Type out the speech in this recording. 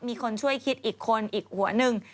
มีคนช่วยคิดอีกคนอีกหัวหนึ่ง